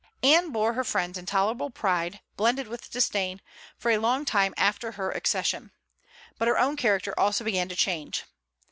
Anne bore her friend's intolerable pride, blended with disdain, for a long time after her accession. But her own character also began to change.